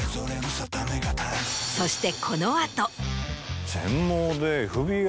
そして。